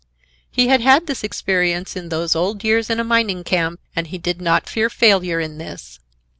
He had had his experience in those old years in a mining camp, and he did not fear failure in this.